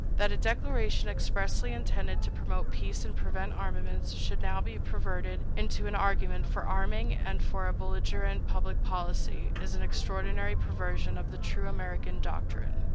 That a declaration expressly intended to promote peace and prevent armaments should now be perverted into an argument for arming and for a belligerent public policy is an extraordinary perversion of the true American doctrine.